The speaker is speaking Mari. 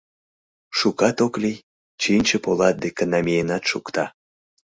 Шукат ок лий, чинче полат деке намиенат шукта.